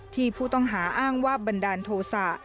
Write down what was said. ผู้ต้องหาอ้างว่าบันดาลโทษะ